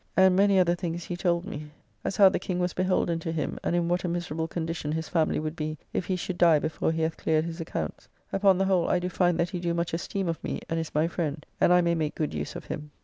And many other things he told me, as how the King was beholden to him, and in what a miserable condition his family would be, if he should die before he hath cleared his accounts. Upon the whole, I do find that he do much esteem of me, and is my friend, and I may make good use of him.